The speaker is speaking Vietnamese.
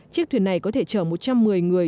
chiếc thuyền này có thể chở một trăm một mươi người